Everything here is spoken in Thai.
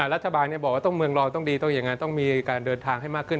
รัฐบาลบอกว่าเมืองรองต้องดีต้องมีการเดินทางให้มากขึ้น